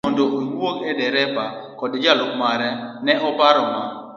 Kane odhi mondo owuog ne dereba koda jalup mare, ne oparo Ma.